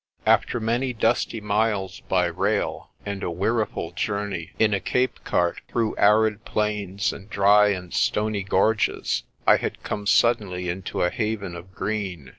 After many dusty miles by rail, and a weariful journey in a Cape cart through arid plains and dry and stony gorges, I had come suddenly into a haven of green.